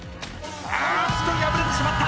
あーっと破れてしまった！